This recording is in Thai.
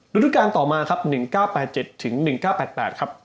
ฤทธิ์การต่อมาครับ๑๙๘๗๑๙๘๘ครับ